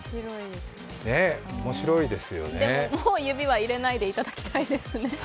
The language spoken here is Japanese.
でも、もう指は入れないでいただきたいですね。